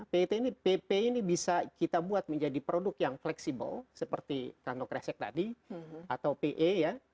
pet ini pp ini bisa kita buat menjadi produk yang fleksibel seperti randok resek tadi atau pe ya